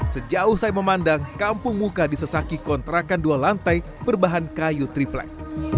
sejauh saya memandang kampung muka disesaki kontrakan dua lantai berbahan kayu triplek